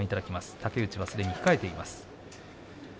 竹内はすでに控えています。